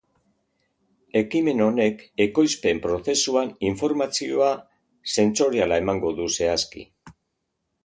Ekimen honek ekoizpen prozesuan informazioa sentsoriala emango du zehazki.